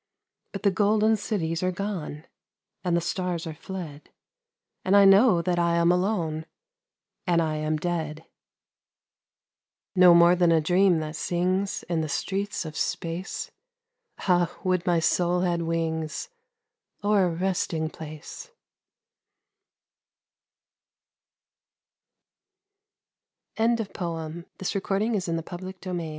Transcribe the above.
But the golden cities are gone And the stars are fled, And I know that I am alone, And 1 am dead. No more than a dream that sings In the streets of space ; Ah, would that my soul had wings, Or a resting place 1 99 THE FAITHFUL POET I'VE sung